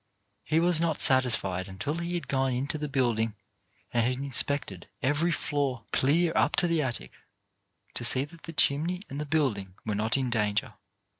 He was not satisfied until he had gone into the building and had inspected every floor clear up to 2io CHARACTER BUILDING the attic, to see that the chimney and the building were not in danger.